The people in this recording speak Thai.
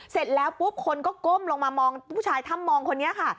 เสร็จแล้วปุ๊บคนก็ก้มลงมามองผู้ชายถ้ำมองคนนี้ค่ะ